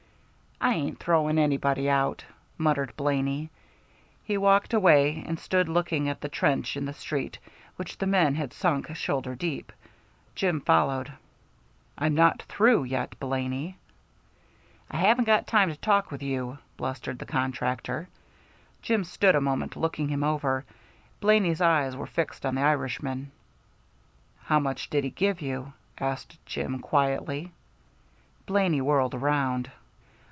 "I ain't throwing anybody out," muttered Blaney. He walked away and stood looking at the trench in the street which the men had sunk shoulder deep. Jim followed. "I'm not through yet, Blaney." "I haven't got time to talk with you," blustered the contractor. Jim stood a moment looking him over. Blaney's eyes were fixed on the Irishman. "How much did he give you?" asked Jim, quietly. Blaney whirled around.